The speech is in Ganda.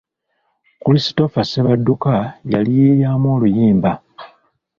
Christopher Ssebadduka yaliyiiyamu oluyimba.